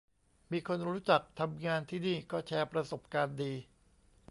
มีคนรู้จักทำงานที่นี่ก็แชร์ประสบการณ์ดี